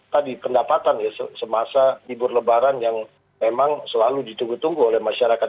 tadi pendapatan ya semasa libur lebaran yang memang selalu ditunggu tunggu oleh masyarakat